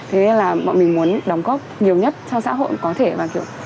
thế nên bọn mình muốn đóng góp nhiều nhất cho xã hội